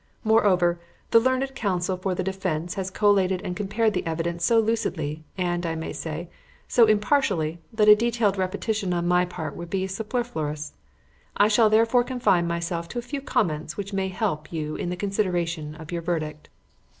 Moreover, the learned counsel for the defence has collated and compared that evidence so lucidly, and, I may say, so impartially, that a detailed repetition on my part would be superfluous. I shall therefore confine myself to a few comments which may help you in the consideration of your verdict.